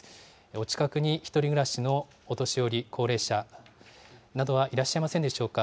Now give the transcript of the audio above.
お近くに１人暮らしのお年寄り、高齢者などはいらっしゃいませんでしょうか。